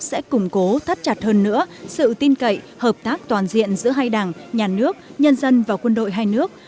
sẽ củng cố thắt chặt hơn nữa sự tin cậy hợp tác toàn diện giữa hai đảng nhà nước nhân dân và quân đội hai nước